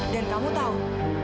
dan kamu tahu